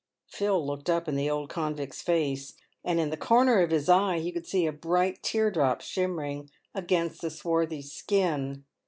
Phil looked up in the old convict's face, and in the corner of his eye he could see a bright tear drop shimmering against the swarthy skin.